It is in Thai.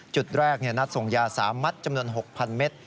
จุดแรกเนี่ยนัดส่งยา๓มัตต์จำนวน๖๐๐๐เมตร